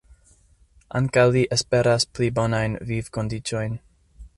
Ankaŭ li esperas pli bonajn vivkondiĉojn.